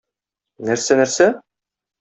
Нәрсә, нәрсә?